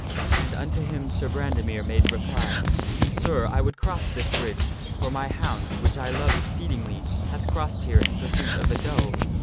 And unto him Sir Brandemere made reply :' Sir, I would cross this bridge, for my hound, which I love exceedingly, hath crossed here in pursuit of a doe.'